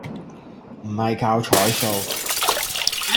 唔係靠彩數